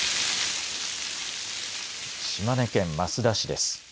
島根県益田市です。